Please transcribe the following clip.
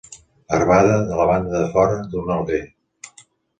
Barbada de la banda de fora d'un alguer.